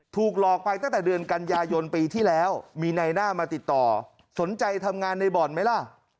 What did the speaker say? ถูกหลอกไปตั้งแต่เดือนกันยายนปีที่แล้วมีในหน้ามาติดต่อสนใจทำงานในบ่อนไหมล่ะ